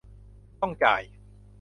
ต้องจ่าย